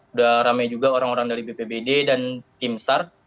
sudah ramai juga orang orang dari bpbd dan tim sar